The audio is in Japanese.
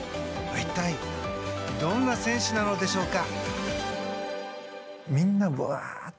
一体どんな選手なのでしょうか？